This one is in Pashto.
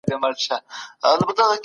موږ ترتيب نه ساتو.